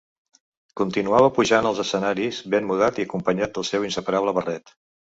Continuava pujant als escenaris ben mudat i acompanyat del seu inseparable barret.